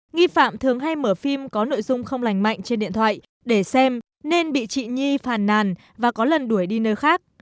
nghi phạm thường hay mở phim có nội dung không lành mạnh trên điện thoại để xem nên bị chị nhi phàn nàn và có lần đuổi đi nơi khác